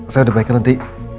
saya udah baikkan nanti